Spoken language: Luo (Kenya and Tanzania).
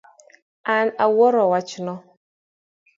An awuoro wachno